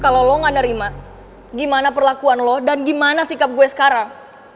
kalau lo gak nerima gimana perlakuan lo dan gimana sikap gue sekarang